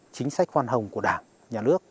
chính sách khoan hồng của đảng nhà nước